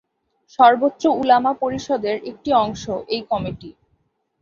সর্বোচ্চ উলামা পরিষদের একটি অংশ এই কমিটি।